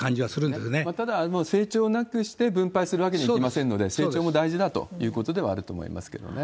ただ、成長なくして分配するわけにはいきませんので、成長も大事だということではあると思いますけどね。